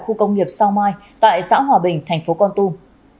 khu công nghiệp sao mai tại xã hòa bình thành phố con tum